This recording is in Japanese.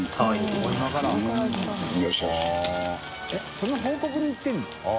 ┐その報告に行ってるの？